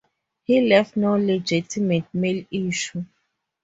He left no legitimate male issue.